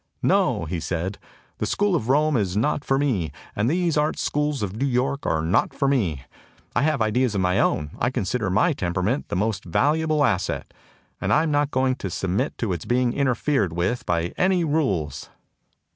"No," he said, "the School of Rome is not for me, and these art schools of New York are not for me. I have ideas of my own; I consider my temperament my most valuable asset, and I'm not going to submit to its being interfered with by any rules!"